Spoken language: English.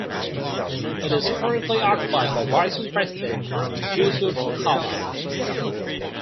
It is currently occupied by Vice President Jusuf Kalla.